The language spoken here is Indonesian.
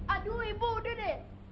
aduh ibu udah deh